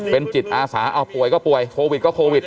เป็นจิตอาสาเอาป่วยก็ป่วยโควิดก็โควิด